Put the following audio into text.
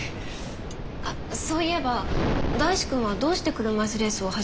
あっそういえば大志くんはどうして車いすレースを始めたの？